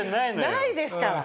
ないですから。